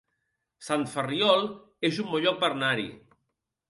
Sant Ferriol es un bon lloc per anar-hi